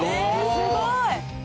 すごい！